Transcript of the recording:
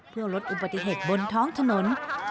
เพื่อลดอุบัติเหตุบนท้องถนน